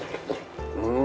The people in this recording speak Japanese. うん！